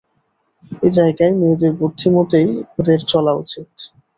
এ জায়গায় মেয়েদের বুদ্ধিমতেই ওদের চলা উচিত।